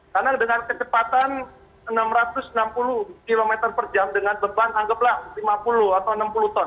karena dengan kecepatan enam ratus enam puluh km per jam dengan beban anggap lah lima puluh atau enam puluh ton